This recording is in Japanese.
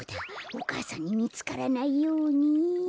お母さんにみつからないように。